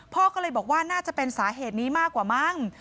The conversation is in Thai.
พ่อก็เลยบอกว่าน่าจะเป็นสาเหตุนี้มากกว่ามั้ง